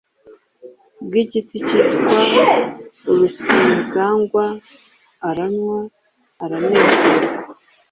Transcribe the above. bwigiti cyitwa urusinzagwa aranywa aranezerwa.